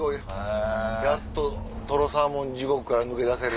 やっととろサーモン地獄から抜け出せる。